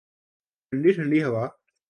ٹھنڈی ٹھنڈی ہوا